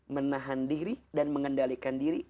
menahan diri dan mengendalikan diri